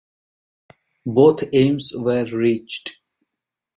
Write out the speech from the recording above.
Both aims were reached.